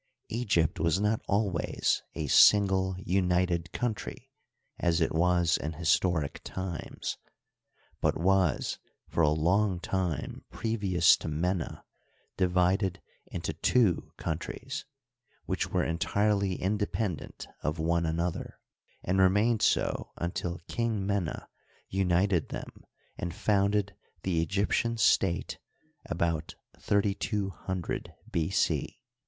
Egypt was not always a single united country as it was in historic times, but was for a long time previous to Mena divided into two countries, which were entirely independent of one another, and remained so until King Mena united them and founded the Egyptian state about 3200 B. C.